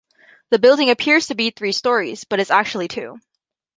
The building appears to be three stories, but is actually two.